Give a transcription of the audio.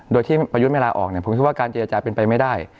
โดยที่ประยุทธ์ไม่ลาออกเนี่ยผมคิดว่าการเจรจาเป็นไปไม่ได้